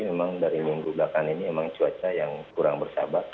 memang dari minggu belakang ini memang cuaca yang kurang bersahabat